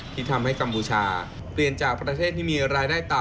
ที่ทำให้กัมพูชาเปลี่ยนจากประเทศที่มีรายได้ต่ำ